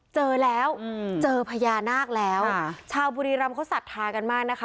เจอแล้วเจอพญานาคแล้วชาวบุรีรำเขาศรัทธากันมากนะคะ